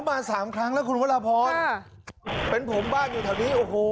มาสามครั้งแล้วคุณวรพรค่ะเป็นผมบ้านอยู่แถวนี้โอ้โห